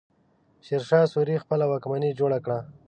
شېرشاه سوري خپله واکمني جوړه کړه.